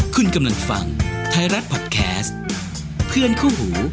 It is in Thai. คุณกำลังฟังไทยรัฐพอดแคสต์เพื่อนคู่หู